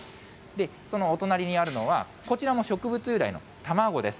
そのお隣にあるのは、こちらも植物由来の卵です。